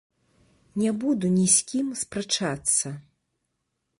Не буду ні з кім спрачацца.